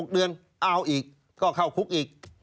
๖เดือนเอาอีกก็เข้าคุกอีก